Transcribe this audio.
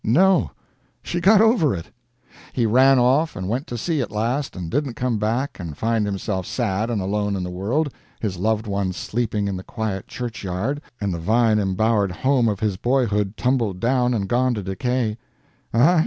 No; she got over it. He ran off and went to sea at last, and didn't come back and find himself sad and alone in the world, his loved ones sleeping in the quiet churchyard, and the vine embowered home of his boyhood tumbled down and gone to decay.